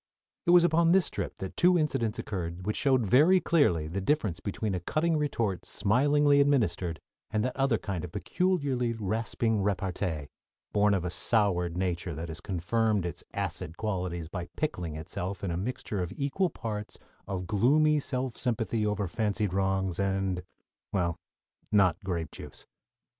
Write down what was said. It was upon this trip that two incidents occurred which showed very clearly the difference between a cutting retort smilingly administered and that other kind of peculiarly rasping repartee, born of a soured nature that has confirmed its acid qualities by pickling itself in a mixture of equal parts of gloomy self sympathy over fancied wrongs, and well, not grape juice.